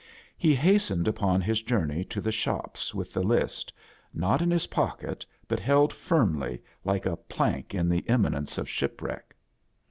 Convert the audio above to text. He hastened upon his joamey to the shops with the list, not in his pocket, bat held firmly, like a planfc in the imminence of shipwreck.